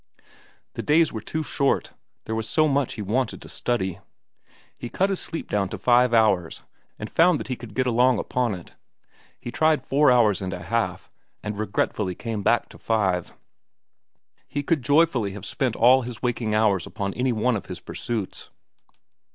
The days were too short. There was so much he wanted to study. He cut his sleep down to five hours and found that he could get along upon it. He tried four hours and a half, and regretfully came back to five. He could joyfully have spent all his waking hours upon any one of his pursuits.